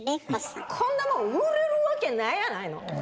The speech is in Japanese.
こんなもん売れるわけないやないの！